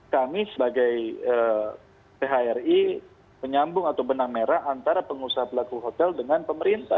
kami sebagai phri menyambung atau benang merah antara pengusaha pelaku hotel dengan pemerintah